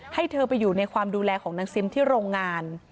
ให้เธอไปอยู่ในความดูแลของนางซิมที่โรงงาน